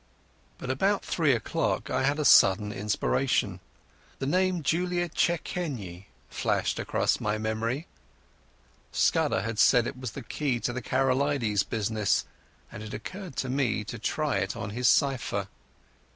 But about three o'clock I had a sudden inspiration. The name Julia Czechenyi flashed across my memory. Scudder had said it was the key to the Karolides business, and it occurred to me to try it on his cypher.